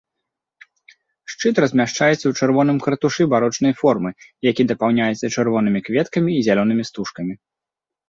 Шчыт размяшчаецца ў чырвоным картушы барочнай формы, які дапаўняецца чырвонымі кветкамі і зялёнымі стужкамі.